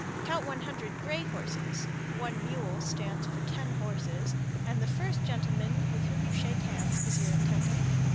Count one hundred gray horses (one mule stands for ten horses), and the first gentleman with whom you shake hands is your intended.